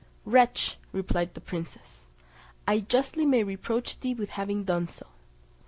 "Wretch," replied the princess, "I justly may reproach thee with having done so."